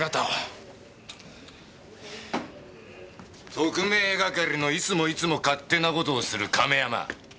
特命係のいつもいつも勝手な事をする亀山ぁ！